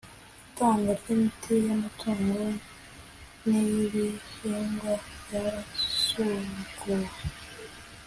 itangwa ry imiti y’ amatungo n iy’ ibihingwa ryasubukuwe